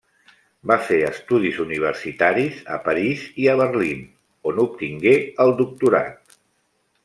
Va fer estudis universitaris a París i a Berlín, on obtingué el doctorat.